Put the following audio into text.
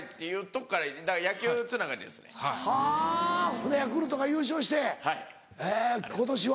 ほんでヤクルトが優勝して今年は。